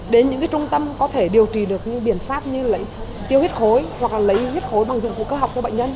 đến những trung tâm có thể điều trị được những biện pháp như tiêu huyết khối hoặc là lấy huyết khối bằng dụng cụ cơ học cho bệnh nhân